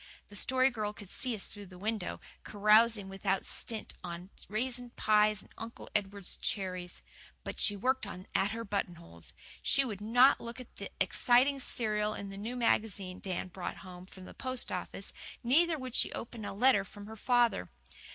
The Story Girl could see us through the window, carousing without stint on raisin pies and Uncle Edward's cherries. But she worked on at her buttonholes. She would not look at the exciting serial in the new magazine Dan brought home from the post office, neither would she open a letter from her father.